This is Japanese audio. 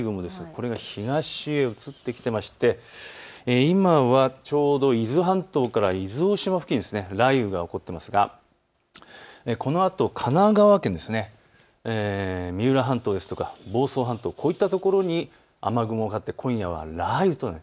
これが東に移ってきていまして今はちょうど伊豆半島から伊豆大島付近、雷雨が起こっていますがこのあと神奈川県、三浦半島ですとか房総半島、こういったところに雨雲がかかって今夜は雷雨となる。